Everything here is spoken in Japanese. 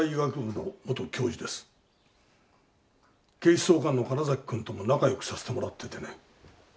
警視総監の金崎君とも仲良くさせてもらっててね。